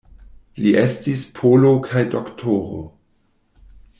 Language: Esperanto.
Li estis polo kaj doktoro.